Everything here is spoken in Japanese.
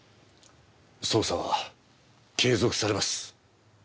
捜査は継続されます。